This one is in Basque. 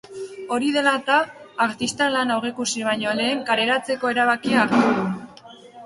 Hori dela eta, artistak lana aurreikusi baino lehen kaleratzeko erabakia hartu du.